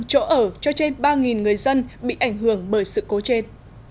chỗ ở cho trên ba người dân bị ảnh hưởng bởi sự cố trên